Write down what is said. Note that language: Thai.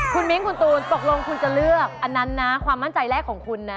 คุณมิ้งคุณตูนตกลงคุณจะเลือกอันนั้นนะความมั่นใจแรกของคุณนะ